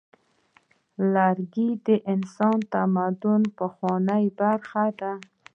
لرګی د انسان د تمدن پخوانۍ برخه ده.